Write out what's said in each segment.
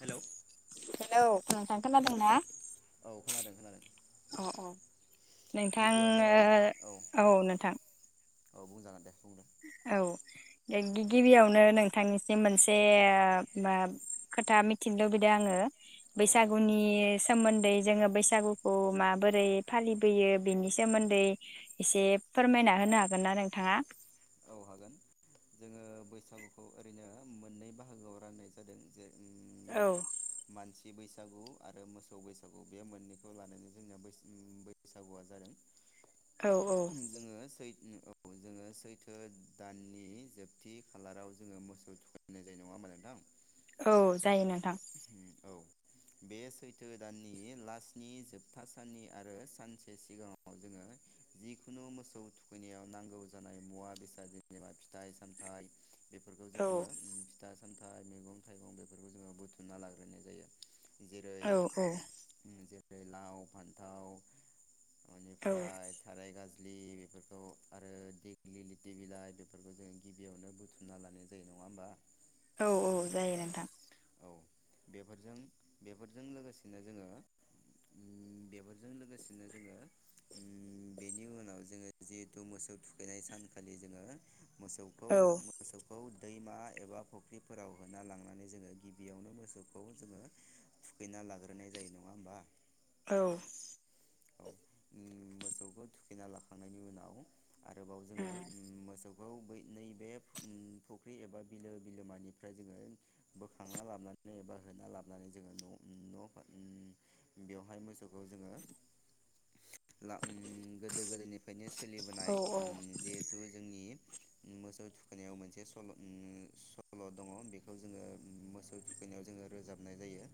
Hello औ hello नोंथां खोनादोंं ना? औ खोनादों खोनादों। अ अ नोंथां गिबियावनो ओ औ नोंथां औ बुंजागोन दे बुं। औ गिबियावनो नोंथांनिसिम मोनसे बा खोथा मिथिनो लुबैदो आङो। औ औ बैसागुनि बुंजागोन सोमोन्दै जोङो बैसागुखौ माबोरै फालिबोयो बेनि सोमोन्दै एसे फोरमायना होनो हागोन ना नोंथाङा? औ हागोन जोङो बैसागुखौ ओरैनो मोननै बाहागोआव राननाय जादों जे उम औ मानसि बैसागु आरो मोसौ बैसागु बे मोननैखौ लानानै जोंनिया बैस उम बैसागुआ जादों। औ औ जोङो सै उम औ जोङो सैथ ओ दाननि जोबथि खालाराव जोङो मोसौ थुखायनाय जायो नङा होमबा नोंथां? औ जायो नोंथां औ बे सैथो दाननि लासनि जोबथा साननि आरो सानसे सिगाङाव जोङो जिखुनु मोसौ थुखैनायाव नांगौ जानाय मुवा बेसाद फिथाइ -सामथाइ बेफोरखौ औ जोङो फिथा सामथाइ मैगं -थाइगं बेफोरखौ जोङो बुथुमना लाग्रोनाय जायो। औ औ ओ लाव फान्थाव औ इनिफ्राय थाराय गाज लि बेफोरखौ आरो दिगलिलि दि बिलाइ बेफोरखौ जों गिबियावनो बुथुमना लानाय जायो नङा होमबा? औ औ जायो नोंथां। औ बेफोरजों बेफोरजों लोगोसेनो जोङो उम बेफोरजों लोगोसेनो जोङो उम बेनि उनाव जोङो जिहेथु मोसौ थुखैनाय सानखालि जोङो मोसौखौ औ मोसौखौ दैमा एबा फुख्रिफोराव होना लांनानै जोङो गिबियावनो मोसौखौ जोङो थुखैना लाग्रोनाय जायो नङा होमबा? औ। औ, उम मोसौखौ थुखैना लाखांनायनि उनाव आरोबाव जोङो उम मोसौ खौ बै नैबे फु उम फुख्रि एबा बिलो बिलोमानिफ्राय जोङो बोखांना लाबनानै एबा होना लाबनानै जोङो न' उम नङा होमबा उम बेवहाय मोसौखौ जोङो ला उम गोदो गोदायनिफ्रायनो सोलिबोनाय औ उम जिहेथु जोंनि उम मोसौ थुखैनायाव मोनसे सल' उम सल' दङ' बेखौ जोङो मोसौ थुखैनायाव जोङो रोजाबनाय जायो।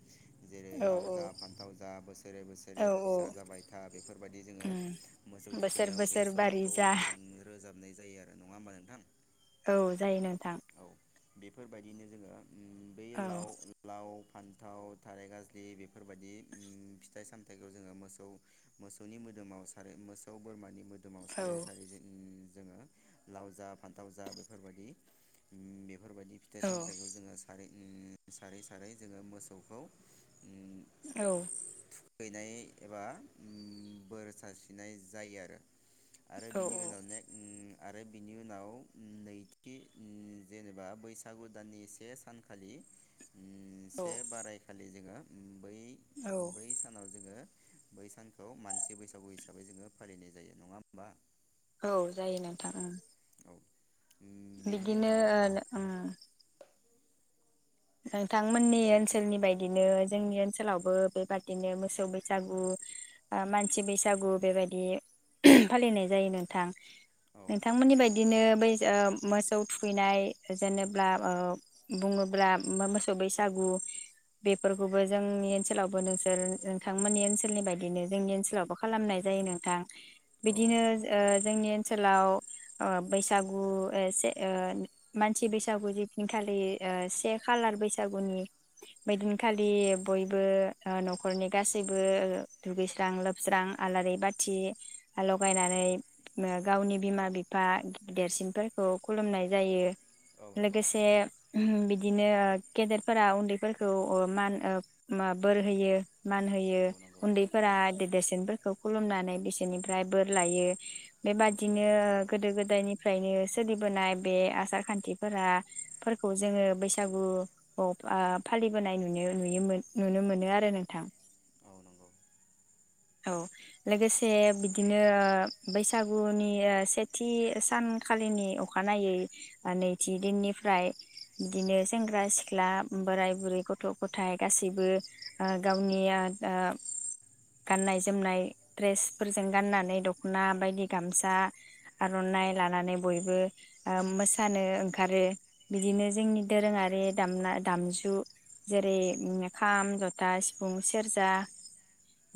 जेरै औ लाव जा फान्थाव जा बोसोरे बोसोरे औ फिसा जाबाय बेफोरबायदि जोङो उम मोसौ बोसोर थुखैनायाव बे बोसोर बारि सल'खौ जा उम रोजा जाबनाय जायो आरो नङा होमबा नोंथां? औ जायो नोंथां। औ बेफोरबायदिनो जोङो बै औ लाव लाव फान्थाव थाराय गाज्लि बेफोरबायदि उम फिथाइ सामथाइखौ जोङो मोसौ मोसौनि मोदोमाव सारो मोसौ बोरमानि मोदोम मोदोमाव औ सारै सारै जों जोङो लाव जा फान्थाव जा बेफोरबायदि उम बेफोरबायदि फिथाइ औ सामथाइखौ जोङो सारै सारै सारै जोङो मोसौखौ औ थुखैनाय एबा उम बोर सारस्रिनाय जायो आरो। आरो औ बिनि उनाव ने उम आरो बिनि उनाव उम नैथि उम जेनेबा बैसागु दाननि से सानखालि उम औ से बारायखालि जोङो बै औ बै सानाव जोङो बै सानखौ मानसि बैसागु हिसाबै जोङो फालिनाय जायो नङा होमबा? औ जायो नोंथां ओं। औ बेनि बिदिनो उनाव ओन उम। [unintelligible] बिथांमोननि ओनसोलनि औ बायदिनो जोंनि ओनसोलावबो बेबादिनो मोसौ बैसागु मानसि बैसागु बेबायदि फालिनाय जायो नोंथां। औ नोंथांमोननि बायदि बिदिनो बै मोसौ थुखैनाय जेनेबला बुङोब्ला मोसौ बैसागु बेफोरखौबो जोंनि ओनसोलावबो नोंसोर नोंथांमोननि ओनसोलनि बायदिनो जोंनि ओनसोलावबो खालामनाय जायो नोंथां औ बिदिनो नंगौ ओ जोंनि ओनसोलाव ओ बैसागु ओ से मानसि बैसागु जिखालि से खालार बैसागुनि बैदिनखालि बयबो न'खरनि गासैबो दुगैस्रां लोबस्रां आलारि बाथि लगायनानै गावनि बिमा बिफा देरसिनफोरखौ खुलुमनाय जायो। औ नंगौ लोगोसे औ बिद बिदिनो गेदेरफोरा उन्दैफोरखौ ओ मान बोर होयो मान होयो औ नंगौ उन्दैफोरा औ देदेरसिनफोरखौ खुलुमनानै बिसोरनिफ्राय बोर लायो औ बेबादिनो थारैनो औ गोदो गोदायनिफ्रायनो सोलिबोनाय बे आसार खान्थिफोरा फोरखौ जोङो बै बैसागु औ बा फालिबोनाय नुयो नुनो मोनो आरो नोंथां औ नंगौ औ लोगोसे बिदिनो बैसागुनि सेथि सानखालिनि अखानायै नैथि दिननिफ्राय बिदिनो सेंग्रा सिख्ला बोराय बुरै गथ' गथायाइ गासैबो आ गावनि आ आ गाननाय जोमनाय द्रेसफोरजों गाननानै दखना बायदि गामसा आरनाइ औ लानानै बयबो ओम मोसानो ओंखारो बिदिनो जोंनि दोरोङारि दामना दामजु जेरै खाम, जथा, सिफुं, सेरजा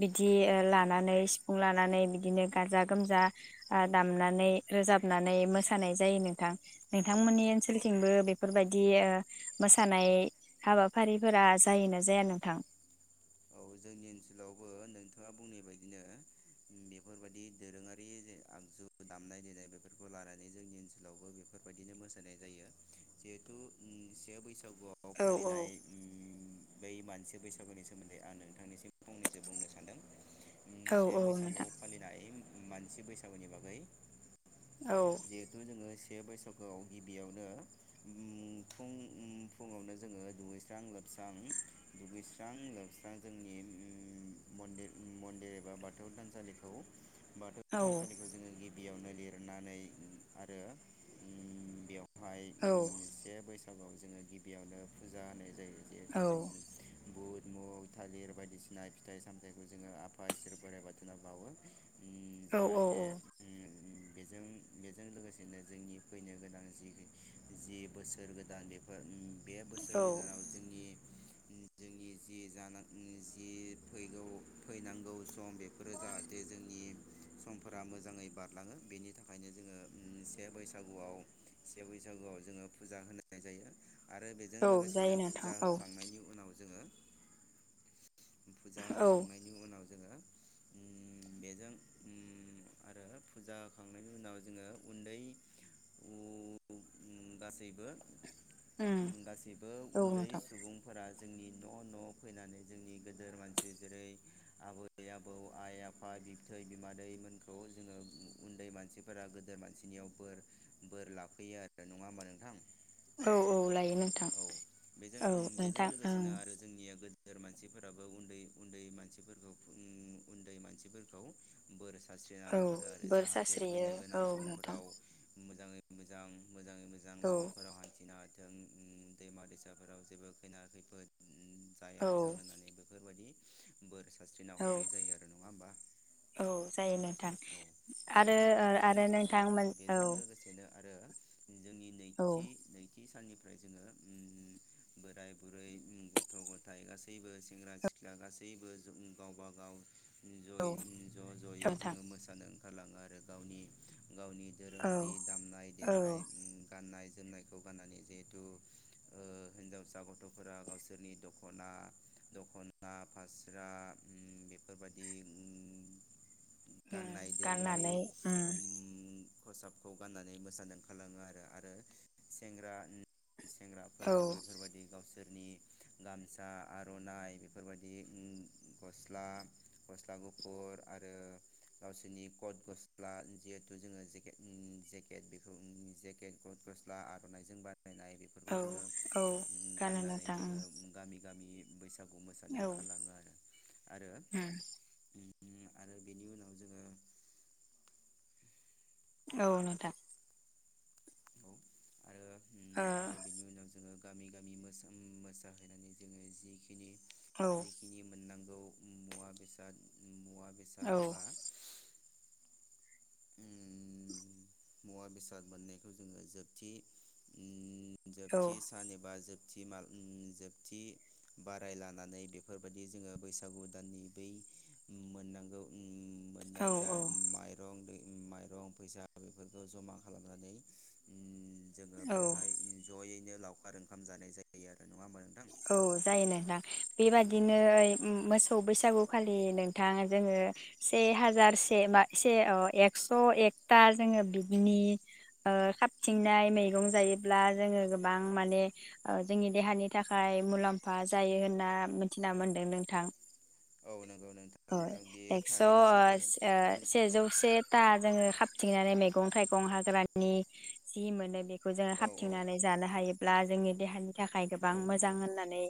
बिदि ओ लानानै सिफुं लानानै बिदिनो गाजा गोमजा ओ दामनानै रोजाबनानै मोसानाय जायो नोंथां औ नोंथांमोननि नंगौ औ ओनसोलथिंबो बे बेफोरबायदि ओ मोसानाय हाबाफारिफोरा जायोना जाया नोंथां औ जोंनि ओनसोलाव नोंथाङा बुंनाय बायदिनो बेफोरबायदि दोरोङारि जे आगजु दामनाय देनाय बेफोरखौ लानानै जोंनि ओनसोलावबो बेफोरबायदिनो मोसानाय जायो जिहेथु उम से बैसो खागुवाव औ फालिनाय ओम बै मानसि बैसागुनि सो उम औ से औ बैसागु नोंथां फालिनाय उम मानसि बैसागुनि बागै औ जिहेथु जोङो बे बैसागुवाव गिबियावनो उम फुं उम फुङावनो जोङो दुगैस्रां लोबस्रां दुगैस्रां लोबस्रां जोंनि उम मनदिर उम मन्दिर एबा बाथौ थानसालिखौ बाथौ औ थानसालिखौ जोङो गि बियावनो लिरनानै आरो ओम बेयाव हाय औ उम से बैसा नोंगौ जोङो गिबियावनो फुजा होनाय जायो औ बुध मु थालिर बायदिसिना फिथाइ सामथायाइखौ जोङो आफा इसोर बोराइ बाथोनाव बावो उम औ औ जाहाथे औ उम बेजों बेजों लोगोसेनो जोंनि फैनो गोनां जि जि बोसोर गोदान बेफोर उम्म बे बोसोर औ गोदानाव जोंनि उम्म जोंनि जि जानां उम्म जि फैगौ फैनांगौ सम बेफोरो जाहाथे जोंनि समफोरा मोजाङै बारलाङो बेनि था खायनो जोंङो से बैसागुवाव से बैसागुवाव जोङो फुजा होनाय जायो। आरो बेजों औ जायो लोगोसेनो नोंथां फुजा औ होखांनायनि उनाव जोंङो। फुजा औ होखांनायनि उनाव जोंङो। उम्म बेजों उम्म आरो फुजा होखा खांनायनि उनाव जोंङो उन्दै उ उन गासैबो उम गासिबो औ उन्दै नोंथां सुबुंफोरा जोंनि न' न' फैनानै जोंनि गोदोर मानसि जेरै आबै आबौ आइ आफा बिबथै बिमादैमोनखौ जोंङो उन उन्दै मानसिफोरा गोदोर मानसिनियाव बोर बोर लाफैयो आरो नङा होमबा नोंथां। औ औ लायो नोंथां औ बेजों औ बेजों नोंथां ओं। लोगोसेनो आरो जोंनिया गोदोर मानसिफोराबो उन्दै उन्दैमानसिफोरखौ उम्म उन्दै मानसिफोरखौ बोर सा औ बोर सारस्रि बियो गोनां औ नोंथां। समफोराव मोजाङै मोजां मोजाङै मोजां औ लामाफोराव हान्थिनो हाथों। जों उम्म दैमा दैसाफोराव जेबो खैना खैफोद उम्म औ जायाथों होननानै बेफोरबायदि बोर सारस्रिना औ हरनाय जायो आरो नङा होमबा औ जायो नोंथां। औ आरो बेजों बेजों आरो औ नोंथांमोन औ। बेजों लोगोसेनो आरो जोंनि औ नैथि नैथि साननि ओमफ्राय जोंङो उम्म बोराइ बुरै उम्म गथ' गथाय गासैबो सेंग्रा सिख्ला गासैबो उम्म गावबा गाव औ जयै ज जयै नोंथां जोंङो मोसानो होलाङो आरो गावनि गावनि औ दोरोंङारि दामनाय औ देनाय उम्म गाननाय जोमनायखौ गाननानै जिहेथु ओ हिन्जावसा गथ'फोरा गावसोरनि दखना दखना फास्रा उम्म बेफोरबादि उम्म उम गाननाय दोरोङारि गाननानै उम्म उम खसाबखौ गाननानै मोसानो ओंखारलाङो आरो आरो सेंग्रा उम्म औ सेंग्राफोराबो बेफोरबादि गावसो सोरनि गामसा आरनाइ बेफोरबायदि उम्म गस्ला गस्ला गुफुर आरो गावसोरनि कट गस्ला जिहेथु जोंङोे जेकेट उम्म जेकेट बेखौ जेकेट गट गस्ला आरनाइजों बा औ औ गानो गाननानै नोंथां उम जोङो गामि बैस बैसागु मोसानो औ उम ओंखारलाङो आरो आरो उम उम आरो बेनि उनाव जोङो औ नोंथां। औ आरो उम ओ आरो बेनि उनाव जोङो गामि गामि मोसोम मोसाहैनानै जोङो जिखिनि ओ - औ जिखिनि मोननांगौ उम मुवा बेसाद मुवा बेसाद औ एबा उम मुवा बेसाद मोननायखौ जोङो जोबथि उम औ जोबथि सान एबा जोब थि माल उम जोबथि बाराय लानानै बेफोरबादि जोङो बैसागु दाननि बै मोननांगौ उम औ मोननाय जा माइरं दै माइरं फैसा बेफोरखौ जमा खालामनानै उम जोङो औ बैहाय ज'यैनो लावखार ओंखाम जानाय जायो आरो नङा होनबा नों औ जायो नोंथां औ बेबादिनो ओइ मोसौ बैसागुखालि नोंथां जोङो से हाजार से मा से अ एकस' एकथा जोङो बि [unintelligible] नि खाबथिंनाय मैगं जायोब्ला जोङो गोबां माने ओ जोंनि देहानि नि थाखाय मुलाम्फा जायो होनना मिथिना मोनदों नोंथां। नंगौ नोंथां अ आं बेयो एक्स' ओ थारैनो सैथो ओ औ सेजौ सेथा जोङो खाब थिंनानै मैगं थाइगं हाग्रानि जि मोनो बे खौ जोङो औ औ खाबथिंनानै जानो हायो। ब्ला जोंनि देहानि थाखा बां औ मोजां नंगौ होननानै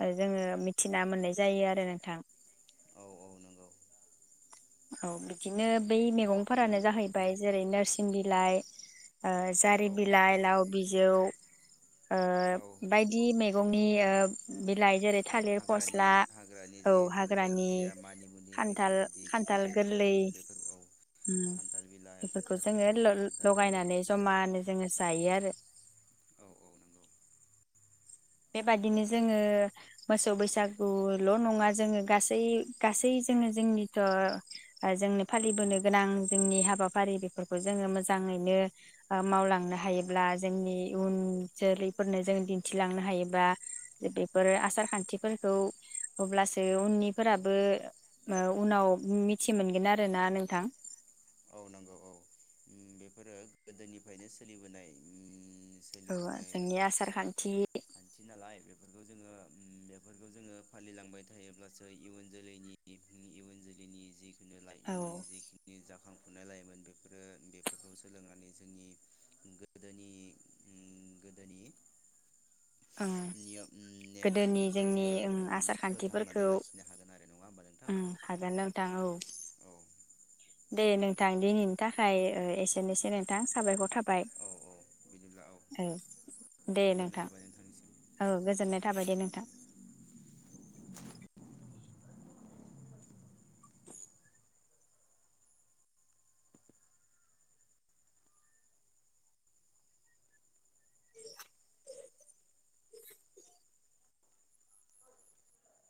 ओ जोङो मिथिना मोननाय जायो आरो नोंथां। औ औ नोंगौ। औ बिदिनो बै नों मैगंफोरानो जाहैबाय जेरै नोर सिं बिलाइ ओ जारि औ बिलाइ लाव बि जौ ओ औ बायदि मे गंनि ओ बिलाइ जेरै औ थालिर हाग्रानि फस्ला हाग्रानि औ जिहेथु हाग्रानि जायखिजाया मानिमुनि बेफोरबायदि खान्थाल खिफि थाल बेन्दों गोरलै बेफोर औ उ खान्थाल बिलाइ बेफोरखौ खान्थाल जोङो उम ल खान्थाल गोरलै लगायनानै बेफोर औ जमानो जोङो जायो आरो। औ औ नंगौ बेबादिनो जोङो मोसौ बैसागुल' नङा जोङो गासै गासै जोङो जोंनिथ' ओ-जोंनि फालिबोनो गोनां जोंनि हाबाफारि बेफोरखौ जोङो मोजाङैनो ओ- मावलांनो हायोब्ला जोंनि उन जोलैफोरनो जों दिन्थिलांनो। हायोबा बेफोर आसार खान्थिफोरखौ अब्लासो उननिफोराबो ओ-उनाव मिथि मोनगोन आरोना नोंथां। औ नांगौ औ ओम बेफोरो गोदोनिफ्रायनो सोलिबोनाय ओम। औ जोंनि आसार खान्थि। बेखौ जोङो उम बेफोरखौ जोङो फालिलांबाय थायोब्लासो इयुन जोलैनि इयुन जोलैनि जि। औ। खुना लायोमोन बेफोरो बेफोरखौ सोलोंनानै जोंनि गोदोनि उम गोदोनि। ओं निअम गोदोनि नेम-खान्थिखौ जोंनि जोङो ओं उम आसार खान्थिफोरखौ फोथांनानै लाखिनो हागोन आरो नङा होमबा ओं नोंथां? हागोन नोंथां औ औ दे नोंथां दिनैनि थाखाय ओ- एसेनोसै नोंथां साबायखर थाब बाय औ औ बिदिब्ला औ दे गोजोननाय नोंथां। थाबाय नोंथांनिसिम औ गोजोननाय थाबाय दे नोंथां।